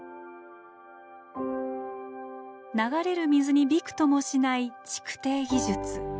流れる水にびくともしない築堤技術。